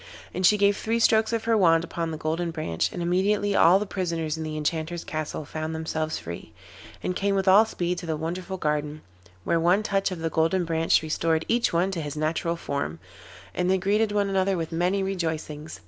And she gave three strokes of her wand upon the Golden Branch, and immediately all the prisoners in the Enchanter's castle found themselves free, and came with all speed to the wonderful garden, where one touch of the Golden Branch restored each one to his natural form, and they greeted one another with many rejoicings.